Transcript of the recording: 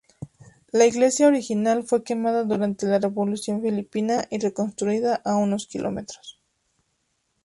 La iglesia original fue quemada durante la Revolución Filipina y reconstruida a unos kilómetros.